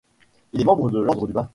Il est membre de l'Ordre du Bain.